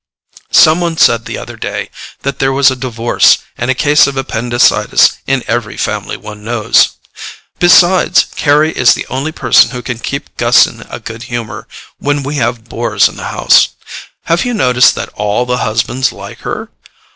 Some one said the other day that there was a divorce and a case of appendicitis in every family one knows. Besides, Carry is the only person who can keep Gus in a good humour when we have bores in the house. Have you noticed that ALL the husbands like her?